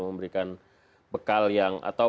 memberikan bekal yang atau